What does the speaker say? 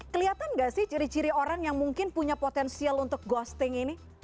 kelihatan gak sih ciri ciri orang yang mungkin punya potensial untuk ghosting ini